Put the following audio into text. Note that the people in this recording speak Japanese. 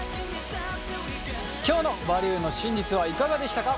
今日の「バリューの真実」はいかがでしたか？